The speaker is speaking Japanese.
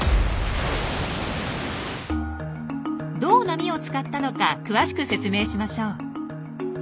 どう波を使ったのか詳しく説明しましょう。